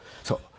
そう。